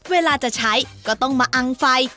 เวลาจะใช้ก็ต้องมาอังไฟ